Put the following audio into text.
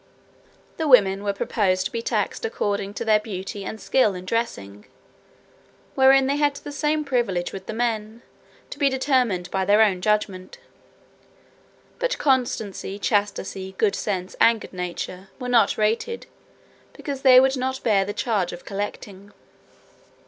The women were proposed to be taxed according to their beauty and skill in dressing, wherein they had the same privilege with the men, to be determined by their own judgment. But constancy, chastity, good sense, and good nature, were not rated, because they would not bear the charge of collecting.